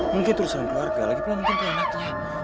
mungkin itu urusan keluarga lagi pula mungkin itu anaknya